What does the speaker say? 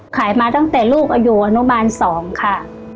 มาตั้งแต่ลูกอายุอนุบาล๒ค่ะ